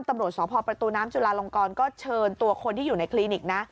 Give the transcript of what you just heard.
ตำรวจสพประตูน้ำจุลาลงกรก็เชิญตัวคนที่อยู่ในคลินิกนะ